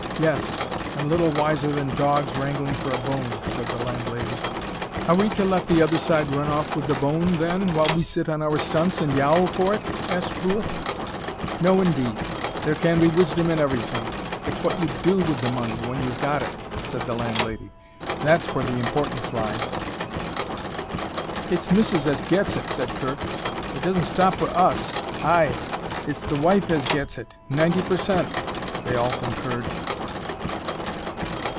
"Yes, and little wiser than dogs, wrangling for a bone," said the landlady. "Are we to let t' other side run off wi' th' bone, then, while we sit on our stunts an' yowl for it?" asked Brewitt. "No indeed. There can be wisdom in everything. It's what you DO with the money, when you've got it," said the landlady, "that's where the importance lies." "It's Missis as gets it," said Kirk. "It doesn't stop wi' us." "Ay, it's the wife as gets it, ninety per cent," they all concurred.